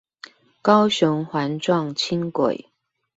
高雄環狀輕軌